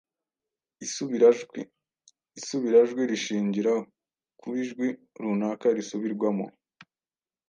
Isubirajwi: Isubirajwi rishingira ku ijwi runaka risubirwamo